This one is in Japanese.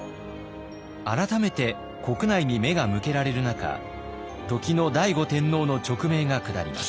改めて国内に目が向けられる中時の醍醐天皇の勅命が下ります。